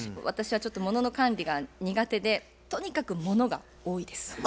私はちょっとものの管理が苦手でとにかくものが多いです。